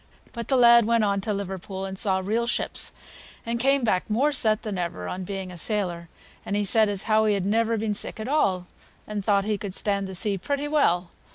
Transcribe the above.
But the lad went on to Liverpool and saw real ships, and came back more set than ever on being a sailor, and he said as how he had never been sick at all, and thought he could stand the sea pretty well.